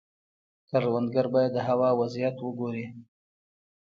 کروندګر باید د هوا وضعیت وګوري.